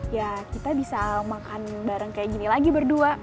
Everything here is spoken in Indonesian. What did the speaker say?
ya kita bisa makan bareng kayak gini lagi berdua